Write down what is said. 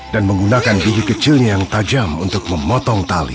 dan menggunakan budi kecilnya yang tajam untuk memotong tali